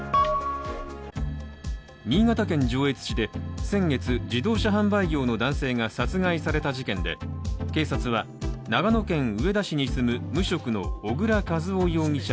新潟県上越市で先月、自動車販売業の男性が殺害された事件で警察は、長野県上田市に住む無職の小倉一夫容疑者